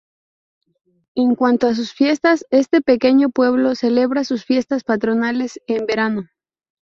En cuanto a sus fiestas, este pequeño pueblo celebra sus fiestas patronales en verano.